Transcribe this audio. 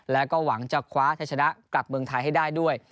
แล้วก็หวังจะคว้าชัยชนะกลับเมืองไทยให้ได้ด้วย